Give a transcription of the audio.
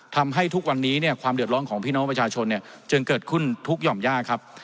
ทำให้ทุกวันนี้เนี่ยความเดือดร้อนของพี่น้องประชาชนเนี่ยจึงเกิดขึ้นทุกหย่อมยากครับ